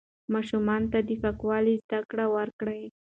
ماشومانو ته د پاکوالي زده کړه ورکړئ.